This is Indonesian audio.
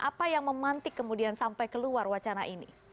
apa yang memantik kemudian sampai keluar wacana ini